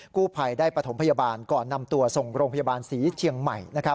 กู้ภัยได้ปฐมพยาบาลก่อนนำตัวส่งโรงพยาบาลศรีเชียงใหม่